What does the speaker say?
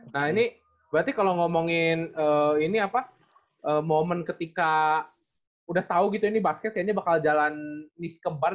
nah ini berarti kalau ngomongin ini apa momen ketika udah tahu gitu ini basket kayaknya bakal jalan misi kembar